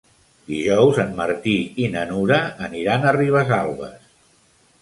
Dijous en Martí i na Nura aniran a Ribesalbes.